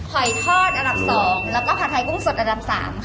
หอยทอดอันดับ๒แล้วก็ผัดไทยกุ้งสดอันดับ๓ค่ะ